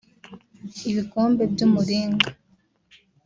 ibikombe by’umuringa